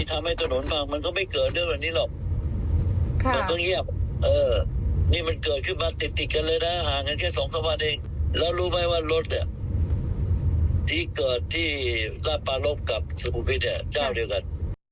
ถ้าหาเงินเกี่ยวสองขวัญเองแล้วรู้ไหมว่ารถเนี่ยที่เกิดที่ราบปลารบกับสุภุพิษเนี่ยเจ้าเดี๋ยวกัน